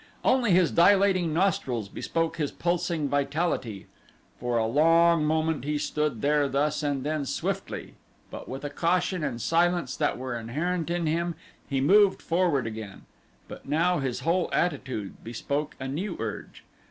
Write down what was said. Only his dilating nostrils bespoke his pulsing vitality. For a long moment he stood there thus and then swiftly, but with a caution and silence that were inherent in him he moved forward again, but now his whole attitude bespoke a new urge.